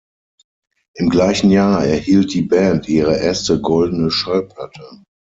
Im gleichen Jahr erhielt die Band ihre erste Goldene Schallplatte.